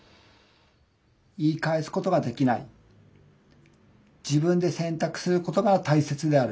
「言い返すことができない自分で選択することが大切である」。